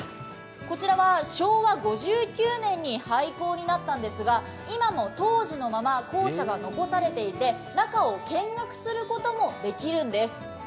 こちらは昭和５９年に廃校になったんですが今も当時のまま、校舎が残されていて中を見学することもできるんです。